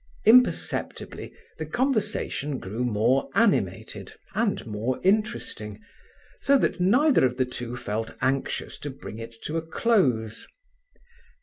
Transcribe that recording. Imperceptibly the conversation grew more animated and more interesting, so that neither of the two felt anxious to bring it to a close.